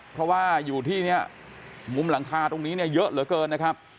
เพราะว่าอยู่ที่เนี่ยมุมหลังคาตรงนี้เนี่ยเยอะเหลือเกินนะครับ